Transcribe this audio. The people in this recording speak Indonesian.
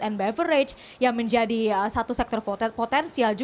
dan beverage yang menjadi satu sektor potensial